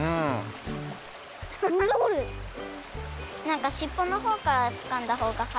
なんかしっぽのほうからつかんだほうがはやい。